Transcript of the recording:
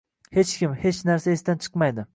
Hech kim, hech narsa esdan chiqmaydi